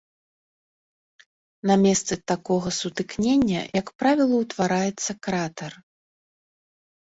На месцы такога сутыкнення, як правіла, утвараецца кратар.